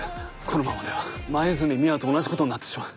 このままでは黛美羽と同じことになってしまう。